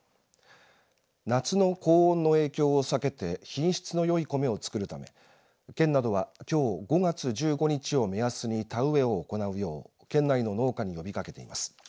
夏の高温の影響を避けて品質のよい米を作るため県などはきょう５月１５日を目安に田植えを行うよう県内の農家に呼びかけています。